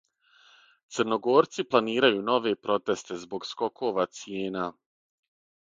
Црногорци планирају нове протесте због скокова цијена